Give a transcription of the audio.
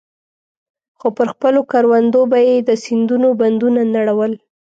خو پر خپلو کروندو به يې د سيندونو بندونه نړول.